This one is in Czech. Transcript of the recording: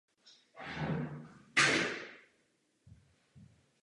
Což se máš k vůli tak zvané dobré pověsti stát nekonsekventním?